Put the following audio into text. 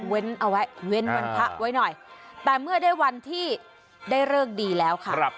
เอาไว้เว้นวันพระไว้หน่อยแต่เมื่อได้วันที่ได้เลิกดีแล้วค่ะ